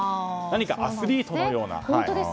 何かアスリートのような。